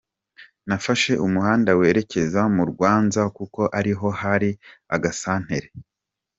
Nafashe umuhanda werekeza mu Rwanza kuko ariho hari agasantere.